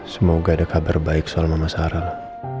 semoga ada kabar baik soal mama sarah